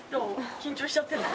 緊張しちゃってんの？